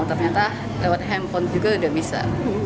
ternyata lewat handphone juga udah bisa